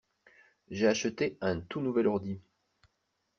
J'ai acheté un tout nouvel ordi.